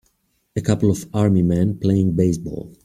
A couple of army men playing baseball.